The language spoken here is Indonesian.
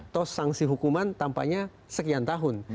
toh sanksi hukuman tampaknya sekian tahun